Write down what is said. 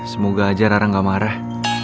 semoga aja rara gak marah